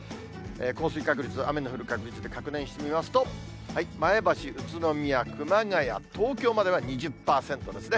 降水確率、雨の降る確率で確認してみますと、前橋、宇都宮、熊谷、東京までは２０％ですね。